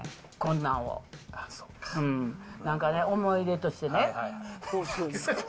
なんかね、思い出としてね。